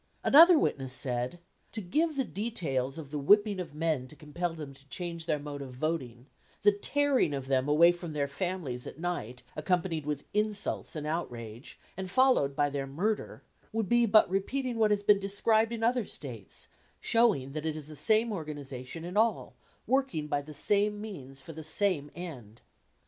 Another witness said: "To give the details of the whipping of men to compel them to change their mode of voting, the tearing of them away from their families at night, accompanied with insults and outrage, and followed by their murder, would be but repeating what has been described in other States, showing that it is the same organization in all, working by the same means for the same end.